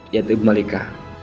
yaitu ibu malika